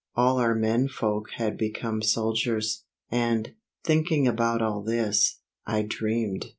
All our menfolk had become soldiers. And, thinking about all this, I dreamed.